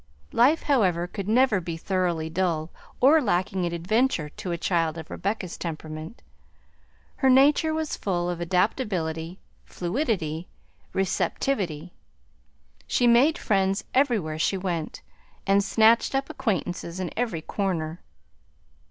Life, however, could never be thoroughly dull or lacking in adventure to a child of Rebecca's temperament. Her nature was full of adaptability, fluidity, receptivity. She made friends everywhere she went, and snatched up acquaintances in every corner.